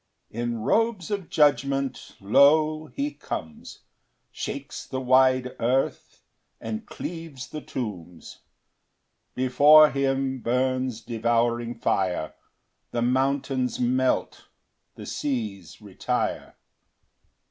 3 In robes of judgment, lo! he comes, Shakes the wide earth, and cleaves the tombs; Before him burns devouring fire, The mountains melt, the seas retire.